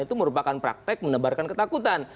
itu merupakan praktek menebarkan ketakutan